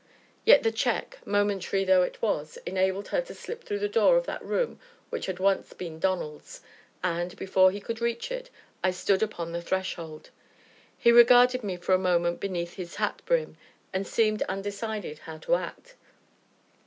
Yet the check, momentary though it was, enabled her to slip through the door of that room which had once been Donald's, and, before he could reach it, I stood upon the threshold. He regarded me for a moment beneath his hat brim, and seemed undecided how to act.